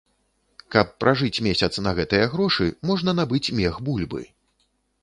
Каб пражыць месяц на гэтыя грошы, можна набыць мех бульбы!